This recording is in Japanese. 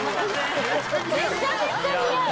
めちゃくちゃ似合う。